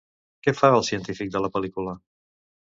Què fa el científic de la pel·lícula?